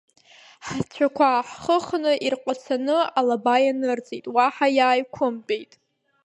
Ҳцәақәа ааҳхыхны, ирҟацаны алаба ианырҵеит, уаҳа иааиқәымтәеит.